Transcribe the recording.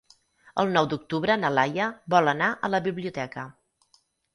El nou d'octubre na Laia vol anar a la biblioteca.